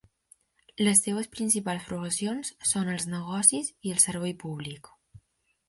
Les seves principals professions són els negocis i el servei públic.